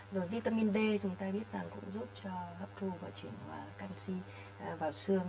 rồi vitamin d chúng ta biết rằng cũng giúp cho hấp thu và chuyển canxi vào xương